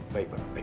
baik pak roy